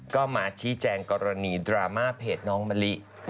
ก็มาชี้แจงกรณีดราม่าเพจน้องมะลิ